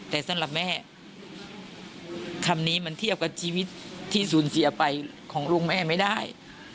แต่สำหรับแม่คำนี้มันเทียบกับชีวิตที่สูญเสียไปของลูกแม่ไม่ได้